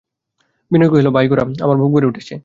বিনয় কহিল, ভাই গোরা, আমার বুক ভরে উঠেছে।